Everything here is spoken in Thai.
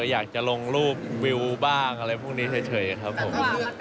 อยากจะลงรูปวิวบ้างอะไรพวกนี้เฉยครับผม